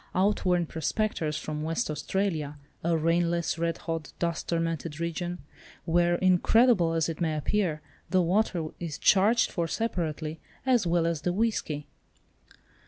Outworn prospectors from West Australia—a rainless, red hot, dust tormented region, where, incredible as it may appear, the water is charged for separately as well as the whisky.